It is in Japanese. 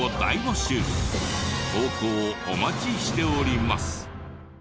投稿お待ちしております。